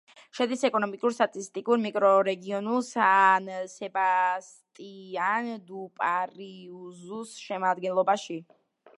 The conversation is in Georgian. შედის ეკონომიკურ-სტატისტიკურ მიკრორეგიონ სან-სებასტიან-დუ-პარაიზუს შემადგენლობაში.